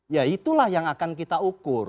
ya itulah yang akan kita ukur